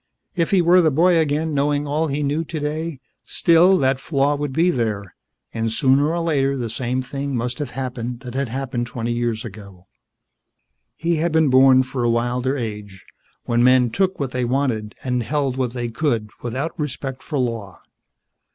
If he were the boy again knowing all he knew today, still the flaw would be there and sooner or later the same thing must have happened that had happened twenty years ago. He had been born for a wilder age, when men took what they wanted and held what they could without respect for law.